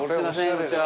こんにちは。